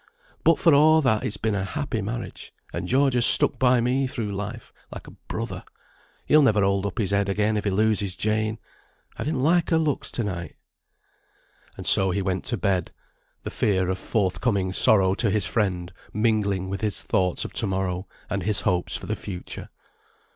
But for a' that it's been a happy marriage, and George has stuck by me through life like a brother. He'll never hold up his head again if he loses Jane. I didn't like her looks to night." [Footnote 25: "Cotched," caught.] And so he went to bed, the fear of forthcoming sorrow to his friend mingling with his thoughts of to morrow, and his hopes for the future.